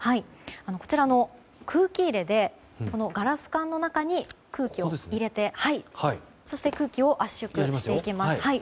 こちらの空気入れでこのガラス管の中に空気を入れてそして空気を圧縮していきます。